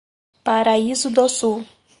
Paraíso do Sul